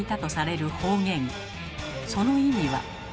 その意味は。